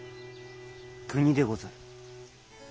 国でござる。